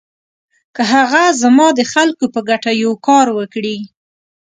که هغه زما د خلکو په ګټه یو کار وکړي.